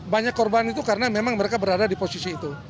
banyak korban itu karena memang mereka berada di posisi itu